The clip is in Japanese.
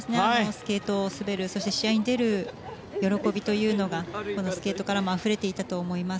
スケートを滑るそして試合に出る喜びというのがこのスケートからもあふれていたと思います。